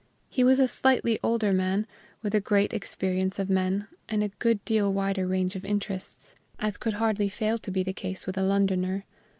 He was a slightly older man, with a greater experience of men, and a good deal wider range of interests, as could hardly fail to be the case with a Londoner.